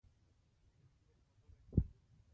په همدې خبرو کې وو.